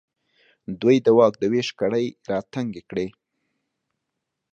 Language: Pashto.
دوی د واک د وېش کړۍ راتنګې کړې.